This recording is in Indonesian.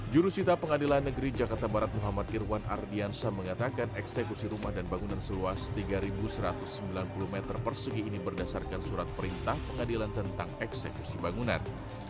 jurusita pengadilan negeri jakarta barat muhammad irwan ardiansa mengatakan eksekusi rumah dan bangunan seluas tiga satu ratus sembilan puluh meter persegi ini berdasarkan surat perintah pengadilan tentang eksekusi bangunan